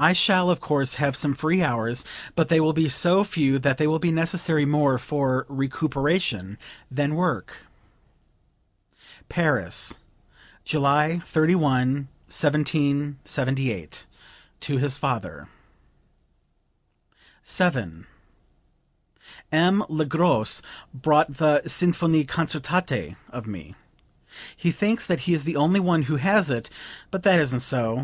I shall, of course, have some free hours, but they will be so few that they will be necessary more for recuperation than work." (Paris, July 31, 1778, to his father.) 7. "M. Le Gros bought the 'Sinfonie concertante' of me. He thinks that he is the only one who has it; but that isn't so.